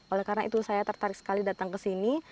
oleh karena itu saya tertarik sekali datang ke sini